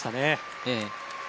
ええ。